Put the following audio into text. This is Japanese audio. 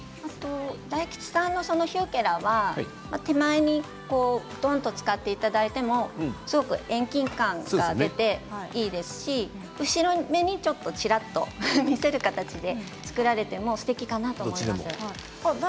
大吉さんの葉物は前の方に使っていただいても遠近感が出ていいですし後ろにちらっと見せる形でも作られてもすてきかなと思います。